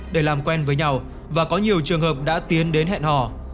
để làm quen với nhau và có nhiều trường hợp đã tiến đến hẹn hò